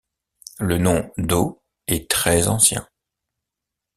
Le nom d’Au est très ancien.